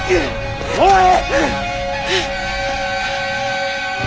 おい！